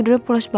kamu gak apa apa